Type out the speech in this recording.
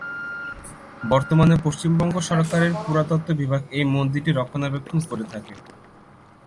বর্তমানে পশ্চিমবঙ্গ সরকারের পুরাতত্ত্ব বিভাগ এই মন্দিরটির রক্ষণাবেক্ষণ করে থাকে।